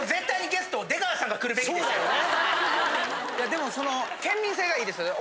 でもその県民性がいいですよね。